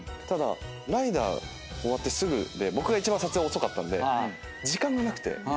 ただ『ライダー』終わってすぐで僕が一番撮影遅かったんで時間がなくて。